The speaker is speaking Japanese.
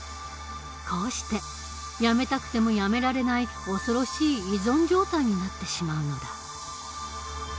こうしてやめたくてもやめられない恐ろしい依存状態になってしまうのだ。